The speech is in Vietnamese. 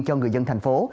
cho người dân thành phố